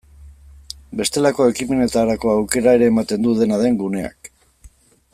Bestelako ekimenetarako aukera ere ematen du, dena den, guneak.